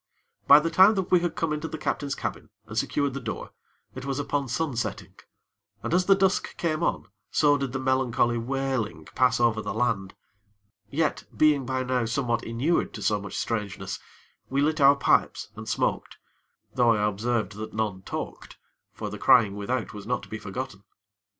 By the time that we had come into the captain's cabin, and secured the door, it was upon sunsetting, and as the dusk came on, so did the melancholy wailing pass over the land; yet, being by now somewhat inured to so much strangeness, we lit our pipes, and smoked; though I observed that none talked; for the crying without was not to be forgotten.